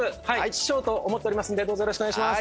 師匠と思っておりますんでどうぞよろしくお願いします